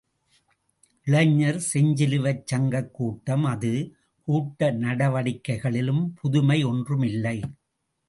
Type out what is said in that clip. இளைஞர் செஞ்சிலுவைச் சங்கக் கூட்டம் அது, கூட்ட நடவடிக்கைகளில் புதுமை ஒன்றுமில்லை.